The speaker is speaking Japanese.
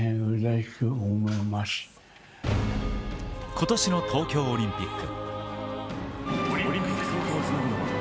今年の東京オリンピック。